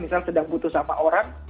misalnya sedang butuh sama orang